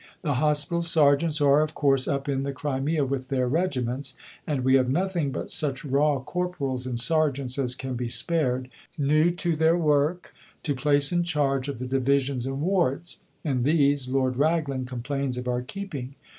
The Hospital Sergeants are, of course, up in the Crimea with their regiments, and we have nothing but such raw Corporals and Sergeants as can be spared, new to their work, to place in charge of the divisions and wards. And these Lord Raglan complains of our keeping.